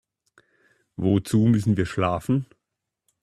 Wozu müssen wir schlafen?